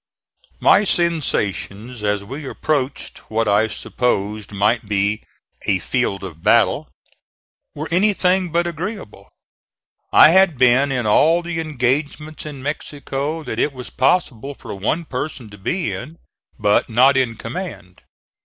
My sensations as we approached what I supposed might be "a field of battle" were anything but agreeable. I had been in all the engagements in Mexico that it was possible for one person to be in; but not in command.